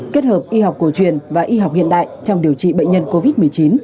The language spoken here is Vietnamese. kết hợp y học cổ truyền và y học hiện đại trong điều trị bệnh nhân covid một mươi chín